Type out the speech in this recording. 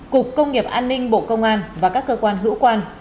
cục công nghiệp an ninh bộ công an và các cơ quan hữu quan